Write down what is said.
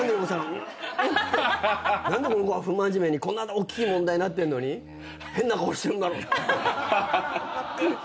何でこの子は不真面目にこんなおっきい問題になってるのに変な顔してるんだろう。